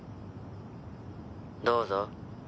「どうぞ。